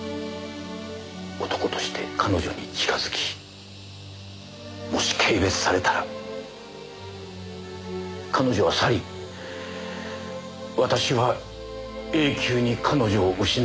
男として彼女に近づきもし軽蔑されたら彼女は去り私は永久に彼女を失う事になる。